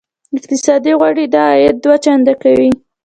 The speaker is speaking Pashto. اقتصادي غوړېدا عاید دوه چنده کوي.